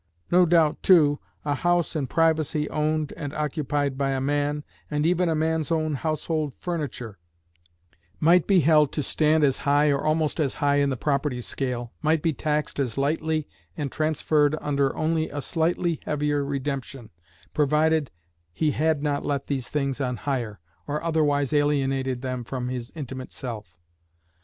No doubt, too, a house and privacy owned and occupied by a man, and even a man's own household furniture, might be held to stand as high or almost as high in the property scale, might be taxed as lightly and transferred under only a slightly heavier redemption, provided he had not let these things on hire, or otherwise alienated them from his intimate self.